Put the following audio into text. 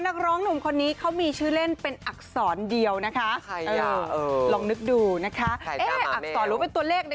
นักร้องหนุ่มคนนี้เขามีชื่อเล่นเป็นอักษรเดียวนะคะลองนึกดูนะคะอักษรรู้เป็นตัวเลข